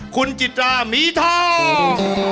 คุณจิตรามีทอง